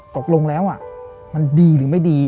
ตกลงแล้วมันดีหรือไม่ดี